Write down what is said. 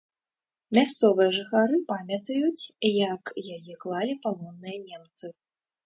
Мясцовыя жыхары памятаюць, як яе клалі палонныя немцы.